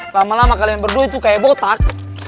lama lama kalian berdua itu kayak botak